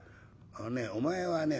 「あのねお前はね